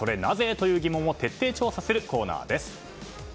という疑問を徹底調査するコーナーです。